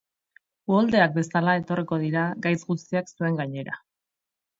Uholdeak bezala etorriko dira gaitz guztiak zuen gainera.